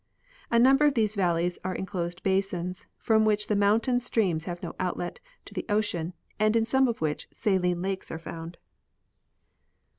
A number of these valleys are enclosed basins, from which the mountain streams have no outlet to the ocean and in some of which saline lakes are found.